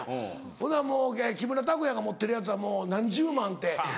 ほんならもう木村拓哉が持ってるやつは何十万円って。